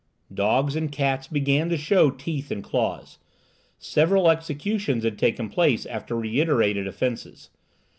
Dogs and cats began to show teeth and claws. Several executions had taken place after reiterated offences.